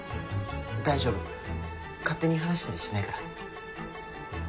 大丈夫勝手に話したりしないから。